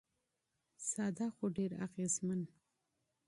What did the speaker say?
ساده خو ډېر اغېزمن.